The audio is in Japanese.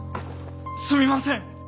すみません！